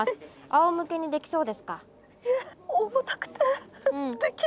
あおむけにできそうですか？